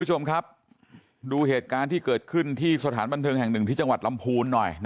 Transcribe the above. คุณผู้ชมครับดูเหตุการณ์ที่เกิดขึ้นที่สถานบันเทิงแห่งหนึ่งที่จังหวัดลำพูนหน่อย